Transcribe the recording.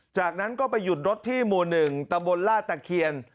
จากนั้นก็ไปหยุดรถที่หมู่หนึ่งตะบนล่าตะเคียน